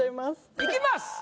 いきます。